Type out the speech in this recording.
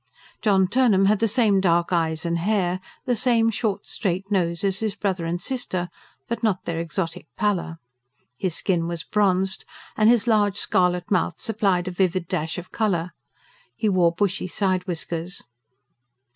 John Turnham had the same dark eyes and hair, the same short, straight nose as his brother and sister, but not their exotic pallor. His skin was bronzed; and his large, scarlet mouth supplied a vivid dash of colour. He wore bushy side whiskers.